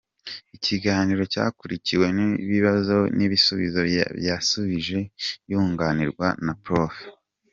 Ikiganiro cyakurikiwe n’ibibazo n’ibisubizo yasubije yunganirwa na Prof.